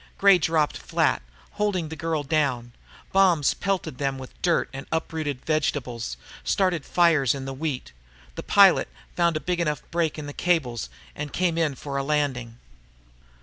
Gray dropped flat, holding the girl down. Bombs pelted them with dirt and uprooted vegetables, started fires in the wheat. The pilot found a big enough break in the cables and came in for a landing.